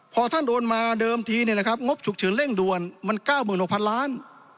พอท่านโอนมาเดิมทีเนี่ยนะครับงบฉุกเฉินเร่งด่วนมัน๙๖๐๐๐ล้าน